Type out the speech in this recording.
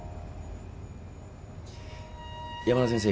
山田先生